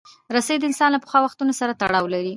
رسۍ د انسان له پخوا وختونو سره تړاو لري.